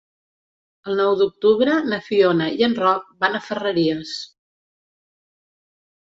El nou d'octubre na Fiona i en Roc van a Ferreries.